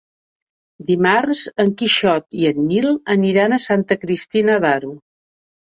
Dimarts en Quixot i en Nil aniran a Santa Cristina d'Aro.